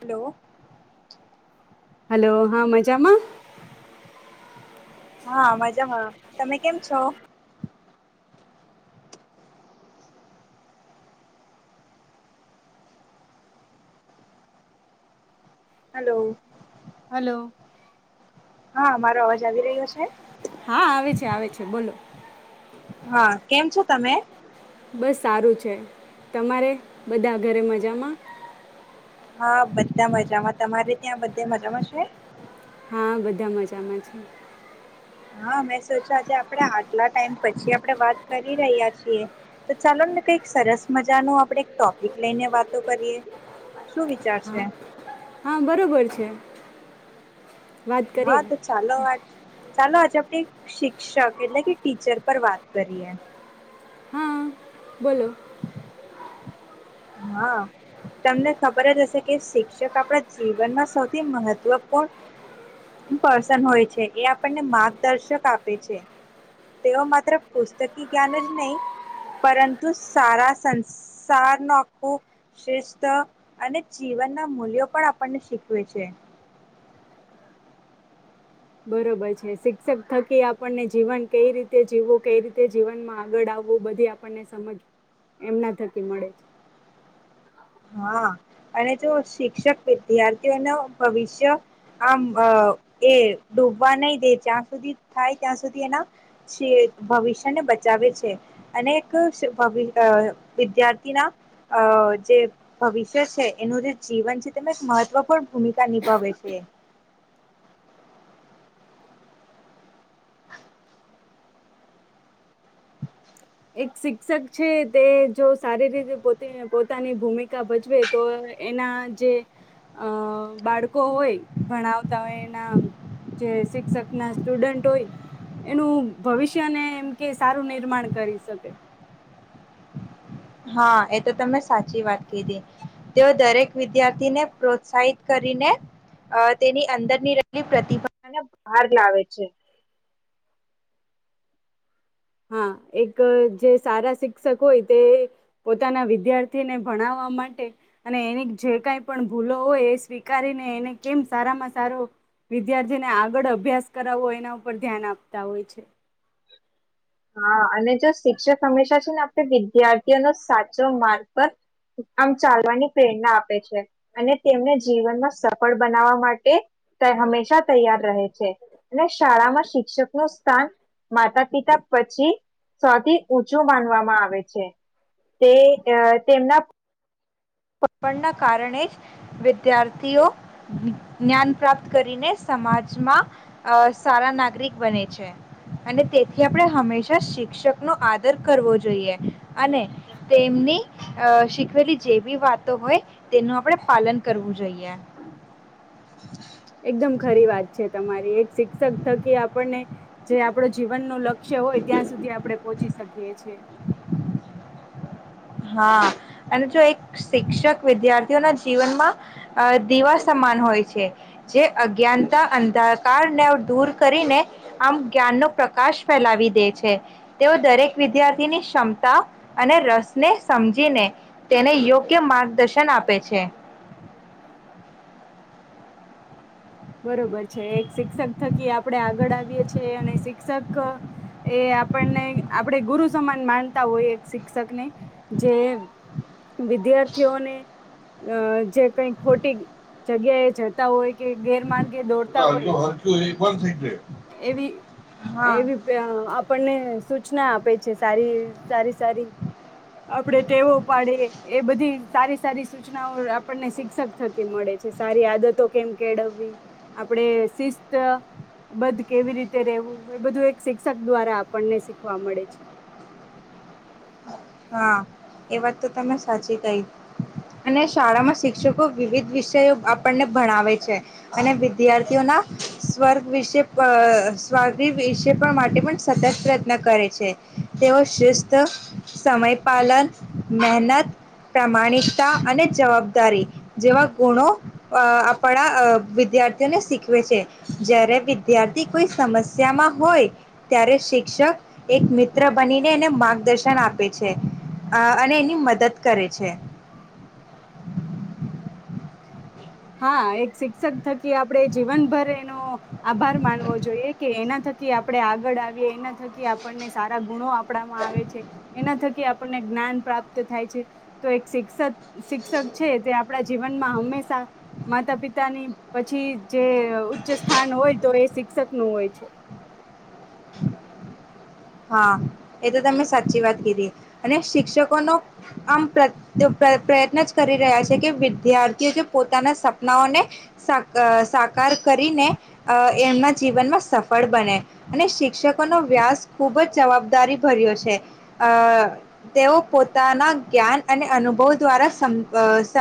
Hello. Hello, હા મજામાં? હા, મજામાં. તમે કેમ છો? હેલો. હેલો. હા મારો અવાજ આવી રહ્યો છે હા, આવે છે. આવે છે. બોલો. હા, કેમ છો તમે? બસ સારું છે. તમારે બધા ઘરે મજામાં? હા, બધા મજામાં. તમારે ત્યાં બધે મજામાં છે? હા, બધા મજામાં છે. હા, મેં સોચા આજે આપડે આટલા ટાઈમ પછી આપડણે વાત કરી રહ્યા છીએ. તો ચાલો ને કઈક સરસ મજા ન આપણે ટોપિક લઈને વાતો કરીએ. શું વિચાર હા, છે હા, બરોબર છે. વાત હા, કરીએ તો ચાલો આજ ચાલો, આજે આપણે શિક્ષક એટલે કે ટીચર પર વાત કરીએ. હા, બોલો. હા, તમને ખબર જ હશે કે શિક્ષક આપણા જીવનમાં સૌથી મહત્વપૂર્ણ પર્સન હોય છે, એ આપણને માર્ગદર્શક આપે છે. તેઓ માત્ર પુસ્તકી જ્ઞાન જ નહીં પરંતુ સારા સંસાર ન આખું શ્રેષ્ઠ અને જીવનના મૂલ્યો પણ આપણને શીખવે છે. બરોબર છે શિક્ષક થકી આપણને જીવન કઈ રીતે જીવવું કઈ રીતે જીવનમાં આગળ આવવું બધી આપણને સમજ એમના થકી મળે છે. હા, અને જો શિક્ષક વિદ્યાર્થીઓનો ભવિષ્ય આમ અ એ ડૂબવા નહી દે જ્યાં સુધી થાય ત્યાં સુધી એના વસ્ય-ભવિષ્યને બચાવે છે અને એક [unintelligible] વિદ્યાર્થીના અ જે ભવિષ્ય છે એનું જે જીવન છે તેમાં એક મહત્વપૂર્ણ ભૂમિકા નિભાવે છે. એક શિક્ષક છે તે જો સારી રીતે પો પોતાની ભૂમિકા ભજવે તો એના જે અ બાળકો હોય ભણાવતા હોય એના જે શિક્ષક ના સ્ટુડન્ટ હોય એનું ભવિષ્યને એમ કે સારું નિર્માણ કરીશ. [unintelligible] હા, એ તો તમે સાચી વાત કીધી. તેઓ દરેક વિદ્યાર્થીને પ્રોત્સાહિત કરીને તેની અંદરની રહેલી પ્રતિભાને બહાર લાવે છે. હા, એક જે સારા શિક્ષક હોય તે પોતાના વિદ્યાર્થીને ભણાવવા માટે અને એની જે કઈ પણ ભૂલો હોય એ સ્વીકારીને એને કેમ સારામાં સારો વિદ્યાર્થીને આગળ અભ્યાસ કરાવવો એના ઉપર ધ્યાન આપતા હોય છે. હા અને જો શિક્ષક હંમેશા છે ને આપણે વિદ્યાર્થીઓનો સાચો માર્ગ પર આમ ચાલવાની પ્રેરણા આપે છે અને તેમને જીવનમાં સફળ બનાવવા માટે હંમેશા તૈયાર રહે છે અને શાળામાં શિક્ષક નું સ્થાન માતા પિતા પછી સૌથી ઊંચું માનવામાં આવે છે. તે તેમના [unintelligible] ના કારણે જ વિદ્યાર્થીઓ જ્ઞાન પ્રાપ્ત કરીને સમાજમાં સારા નાગરિક બને છે અને તેથી આપણે હંમેશા શિક્ષક નો આદર કરવો જોઈએ અને તેમની શીખવેલી જે વિવાદ હોય તેનું આપણે પાલન કરવું જોઈએ. એકદમ ખરી વાત છે તમારી એક શિક્ષક થકી આપણને જે આપણો જીવન નો લક્ષ [unintelligible] હોય ત્યાં સુધી આપડણે પહોંચી શકીએ છીએ. હા અને જો એક શિક્ષક વિદ્યાર્થીઓના જીવનમાં દીવા સમાન હોય છે જે અજ્ઞાનતા અંધાકારને દૂર કરીને આમ જ્ઞાનનો પ્રકાશ ફેલાવી દે છે, તેઓ દરેક વિદ્યાર્થીની ક્ષમતા અને રસ ને સમજીને તેને યોગ્ય માર્ગદર્શન આપે છે. બરોબર છે એક શિક્ષક થકી આપણે આગળ આવીએ છીએ અને શિક્ષક એ આપણને આપણે ગુરુ સમાન માનતા હોય એક શિક્ષકને જે વિદ્યાર્થીઓને અ જે કઈ ખોટી જગ્યા એ જતા હોય કે ગેરમાન [inaudible] એ પણ થઈ જાય. એવી હા એવી પ આપણને સૂચના આપે છે સારી સારી સારી. આપડે ટેવો પાડે એ બધી સારી સારી સૂચનાઓ આપણને શિક્ષક થકી મળે છે સારી આદતો કેમ કેળવવી. આપડે શિસ્ત બધ કેવી રીતે રેવું એ બધું એક શિક્ષક દ્વારા આપણને શીખવા મળે છે. હા એ વાત તો તમે સાચી કહી અને શાળામાં શિક્ષકો વિવિધ વિષયો આપણને ભણાવે છે અને વિદ્યાર્થીઓના સ્વર્ગ વિશે પ સ્વર્ગ વિષ માટે પણ સતત પ્રયત્ન કરે છે તેઓ શિસ્ત સમયપાલન, મહેનત, પ્રામાણિકતા અને જવાબદારી જેવા ગુણો આપણા અ વિદ્યાર્થીઓને શીખવે છે. જ્યારે વિદ્યાર્થી કોઈ સમસ્યામાં હોય ત્યારે શિક્ષક એક મિત્ર બનીને એને માર્ગદર્શન આપ પે છે અને એની મદદ કરે છે. હા એક શિક્ષક થકી આપડે જીવનભરે એનો આભાર માનવો જોઈએ કે એના થકી આપણે આગળ આવીએ, એના થકી આપણને સારા ગુણો આપણામાં આવે છે, એના થકી આપણને જ્ઞાન પ્રાપ્ત થાય છે તો એક શિક્ષક શિક્ષક છે તે આપણા જીવનમાં હંમેશા માતા પિતાની પછી જે ઉચ્ચ સ્થાન હોય તો એ શિક્ષક નું હોય છે. હા એ તો તમે સાચી વાત કીધી અને શિક્ષકોનો આમ પ પ્રયત્ન જ કરી રહ્યા છે કે વિદ્યાર્થીઓ જે પોતાના સપનાઓને સા અ સાકાર કરીને અ એમના જીવનમાં સફળ બને અને શિક્ષકોનો વ્યાસ ખૂબ જ જવાબદારી ભર્યો છે અ તેઓ પોતાના જ્ઞાન અને અનુભવ દ્વારા સ અ સ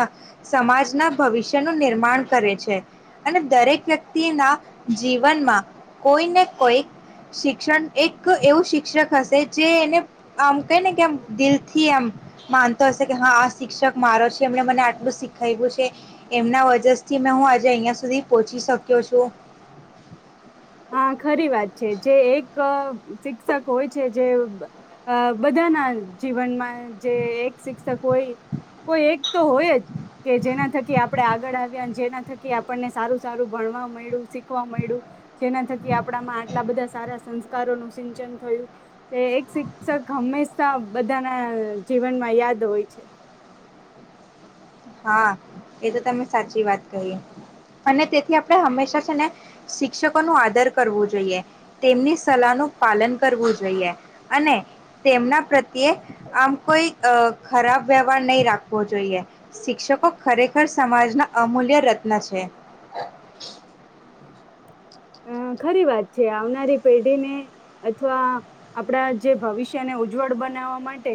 સમાજના ભવિષ્યનું નિર્માણ કરે છે અને દરેક વ્યક્તિ ના જીવનમાં કોઈને કોઈ શિક્ષણ એક એક એવું શિક્ષક હશે જે એને આમ કહે ને કેમ દિલથી એમ માનતો હશે કે હા આ શિક્ષક મારો છે એમને મને આટલું શીખાય્યું છે એમના વજરથી મે હું આજે અહં સુધી પહોચી શક્યો છું. હા ખરી વાત છે જે એક શિક્ષક હોય છે જે બધાના જીવનમાં જે એક સિક્ કોઈ કોઈ એક તો હોય જ કે જેના થકી આપણે આગળ આવ્યા જેના થકી આપણને સારું સારું ભણવા મળ્યું, શીખવા મળ્યું જેના થકી આપણામાં આટલા બધા સારા સંસ્કારોનું સિંચન થયું તે એક શિક્ષક હંમેશા બધાના જીવનમાં યાદ હોય છે. હા એ તો તમે સાચી વાત કહી અને તેથી આપણે હંમેશા છે ને શિક્ષકો નું આદર કરવું જોઈએ તેમની સલાહ નું પાલન કરવું જોઈએ અને તેમના પ્રત્યે આમ કોઈ અ ખરાબ વ્યવહાર નહી રાખવો જોઈએ. શિક્ષકો ખરેખર સમાજના અમૂલ્ય રત્ન છે. [inaudible] અં ખરી વાત છે. આવનારી પેઢીને અથવા આપણા જે ભવિષ્યને ઉજ્જવળ બનાવવા માટે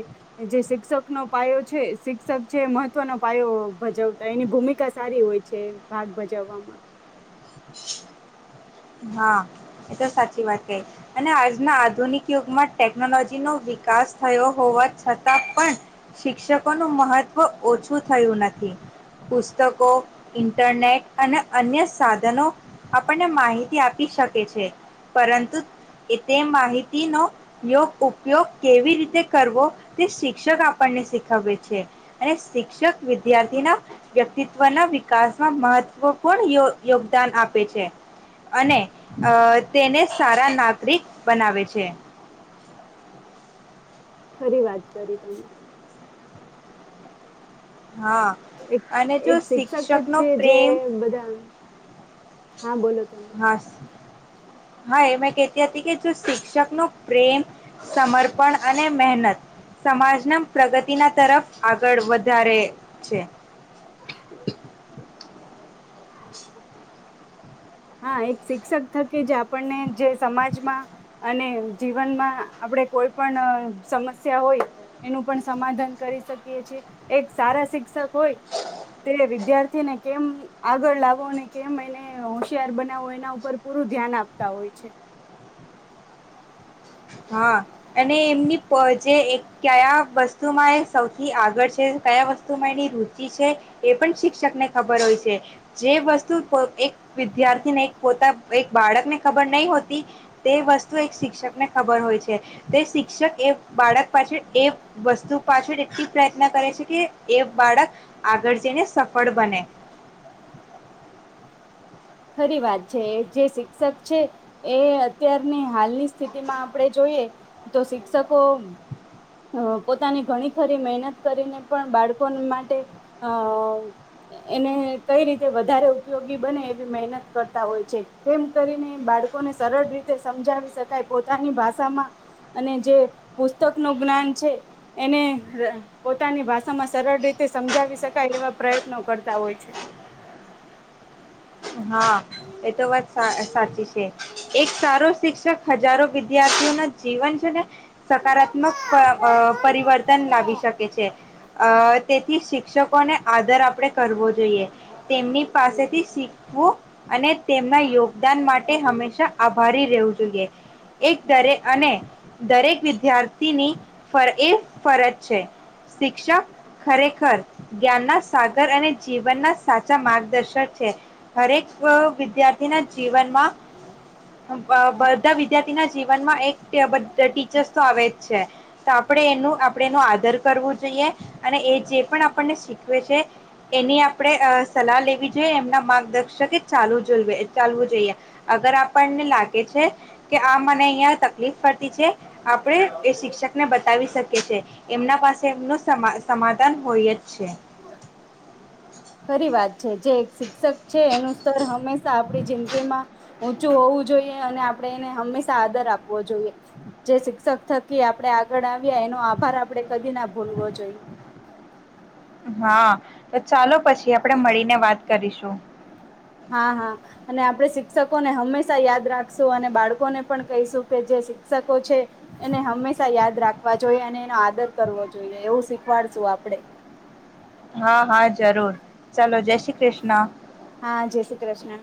જે શિક્ષકનો પાયો છે. શિક્ષક છે મહત્વનો પાયો ભજવતા. એની ભૂમિકા સારી હોય છે ભાગ ભજવવામાં. હાં એ તો સાચી વાત કેય. અને આજના આધુનિક યુગમાં ટેકનોલોજી નો વિકાસ થયો હોવા છતાં પણ શિક્ષકોનું મહત્વ ઓછું થયું નથી. પુસ્તકો, ઇન્ટરનેટ અને અન્ય સાધનો આપણને માહિતી આપી શકે છે. પરંતુ એ તે માહિતીનો યોગ ઉપયોગ કેવી રીતે કરવો, તે શિક્ષક આપણને શીખવવે છે અને શિક્ષક વિદ્યાર્થીના વ્યક્તિત્વના વિકાસમાં મહત્વપૂર્ણ યો યોગદાન આપ પે છે. અને અ તેને સારા નાગરિક બનાવે છે. ખરી વાત કરી તમે. હા એક અને જો એક શિક્ષક જ શિક્ષકનો છે જે પ્રેમ બધા હા બોલો તમે. હા હા એ મેં કહેતી હતી કે જો શિક્ષક નું પ્રેમ, સમર્પણ અને મહેનત સમાજના પ્રગતિના તરફ આગળ વધારે છે. [inaudible] હા! એક શિક્ષક થકી જ આપણને જે સમાજમાં અને જીવનમાં આપણે કોઈ પણ સમસ્યા હોય, એનું પણ સમાધાન કરી શકીએ છે. એક સારા શિક્ષક હોય તે વિદ્યાર્થીને કેમ આ આગળ લાવો ને, કેમ એને હોશિયાર બનાવો, એના ઉપર પૂરું ધ્યાન આપતા હોય છે. હા, અને એમની પ જે એ ક્યયા વસ્તુમાં એ સૌથી આગળ છે, કયા વસ્તુમાં એની રુચિ છે. એ પણ શિક્ષકને ખબર હોય છે. જે વસ્તુ એક વિદ્યાર્થીને પોતા એક બાળકને ખબર નહી હોતી તે વસ્તુ એક શિક્ષકને ખબર હોય છે. તે શિક્ષક એ બાળક પાછળ એ વસ્તુ પાછળ એતી પ્રયત્ન કરે છે કે એ બાળક આગળ જઈને સફળ બને. ખરી વાત છે. જે શિક્ષક છે એ અત્યારની હાલની સ્થિતિમાં આપણે જોઈએ, તો શિક્ષકો અ પોતાની ઘણી ખરી મહેનત કરીને પણ બાળકોન માટે અ એને કઈ રીતે વધારે ઉપયોગી બને મહેનત કરતા હોય છે. કેમ કરીને બાળકોને સરળ રીતે સમજાવી શકાય પોતાની ભાષામાં અને જે પુસ્તકનું જ્ઞાન છે એને પોતાની ભાષામાં સરળ રીતે સમજાવી શકાય એવા પ્રયત્નો કરતા હોય છે. હા, એ તો વાત સા સાચી છે. એ, એક સારો શિક્ષક હજારો વિદ્યાર્થીઓ ના જીવન. [unintelligible] સકારાત્મક પ અ પરિવર્તન લાવી શકે છે. અ તેથી શિક્ષકોને આદર આપણે કરવો જોઈએ. તેમની પાસેથી શી હું અને તેમના યોગદાન માટે હંમેશા આભારી રહેવું જોઈએ. એક દરે અને દરેક વિદ્યાર્થીની ફર એ ફરજ છે. શિક્ષક ખરેખર જ્ઞાનના સાગર અને જીવનના સાચા માર્ગદર્શક છે. હરેક અ વિદ્યાર્થી થીના જીવનમાં, અ બધા વિદ્યાર્થીના જીવનમાં એક તેય બ ડ ટીચર્સ તો આવે જ છે. તો આપણે એનું આપણે એનો આદર કરવું જોઈએ અને એ જે પણ આપણને શીખવે છે. એની આપણે સલાહ લેવી જોઈએ એમના માર્ગદર્શ શકે ચાલુ જુલવે ચાલવું જોઈએ. અગર આપણને લાગે છે કે આ મને અહંયા તકલીફ પડતી છે. આપડે એ શિક્ષક ને બ તાવી શકે છે. એમના પાસે એમનું સમા સમાધાન હોય જ છે. ખરી વાત. જે જે એક શિક્ષક છે એનું સ્ તર હંમેશા આપણી જિંદગી માં ઊંચું હોવું જોઈએ અને આપણે એને હંમેશા આદર આપવો જોઈએ. જે શિક્ષક થકી આપણે આગળ આવ્યા એનો આભાર આપણેે કદી ના ભૂલવો જોઈએ. હા, તો ચાલો પછી આપણેે મળીને વાત કરીશું. હા હા અને આપડે શી ક્ષકોને હંમેશા યાદ રાખશું અને બાળકોને પણ કહીશું કે જે શિક્ષકો છે. એને હંમેશા યાદ રાખે. ખવા જોઈએ અને એનો આદર કરવો જોઈએ એવું શીખવાડશું આપડે. હા હા જરૂર ચલો જય શ્રી કૃષ્ણ. હા જય શ્રી કૃષ્ણ.